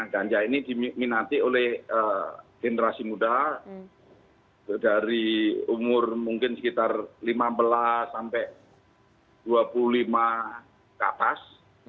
ganja ini diminati oleh generasi muda dari umur mungkin sekitar lima belas sampai dua puluh lima ke atas